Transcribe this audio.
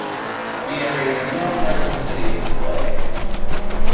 The area is now part of the city of Clay.